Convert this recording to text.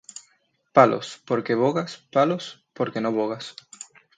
Palos porque bogas, palos porque no bogas.